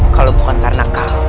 kalau bukan karena kau